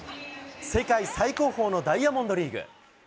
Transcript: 世界最高峰のダイヤモンドリーグ。